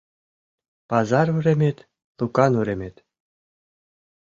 Пазар уремет, лукан уремет